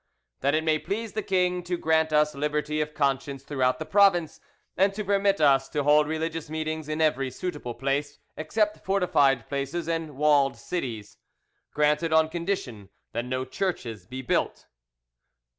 That it may please the king to grant us liberty of conscience throughout the province, and to permit us to hold religious meetings in every suitable place, except fortified places and walled cities. 'Granted, on condition that no churches be built.